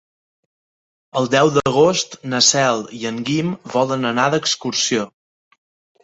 El deu d'agost na Cel i en Guim volen anar d'excursió.